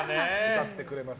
歌ってくれます。